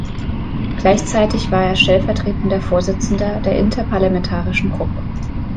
Gleichzeitig war er stellvertretender Vorsitzender der Interparlamentarischen Gruppe.